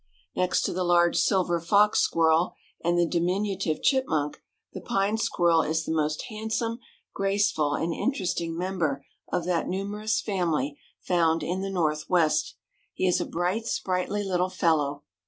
Next to the large silver fox squirrel and the diminutive chipmunk, the Pine Squirrel is the most handsome, graceful and interesting member of that numerous family found in the Northwest. He is a bright, sprightly little fellow.